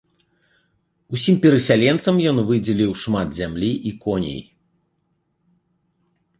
Усім перасяленцам ён выдзеліў шмат зямлі і коней.